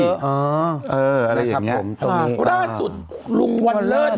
ก็น่าสุดลงวันเลิศ